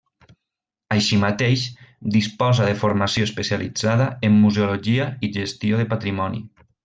Així mateix, disposa de formació especialitzada en museologia i gestió del patrimoni.